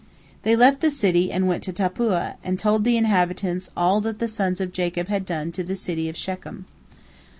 They left the city and went to Tappuah, and told the inhabitants all that the sons of Jacob had done to the city of Shechem.